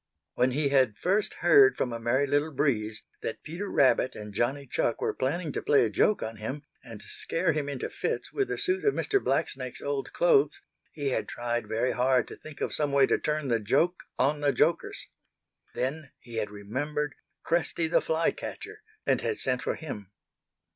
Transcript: When he had first heard from a Merry Little Breeze that Peter Rabbit and Johnny Chuck were planning to play a joke on him and scare him into fits with a suit of Mr. Blacksnake's old clothes, he had tried very hard to think of some way to turn the joke on the jokers. Then he had remembered Cresty the Fly catcher and had sent for him.